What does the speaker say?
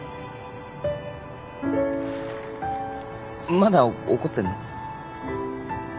まだ怒ってんの？